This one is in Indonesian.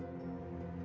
aku mau makan